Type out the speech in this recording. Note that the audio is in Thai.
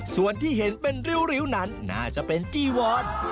ส่วนที่เห็นเป็นริ้วนั้นน่าจะเป็นจีวอน